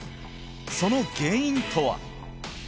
その原因とは？